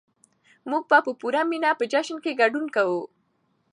موږ به په پوره مينه په جشن کې ګډون کوو.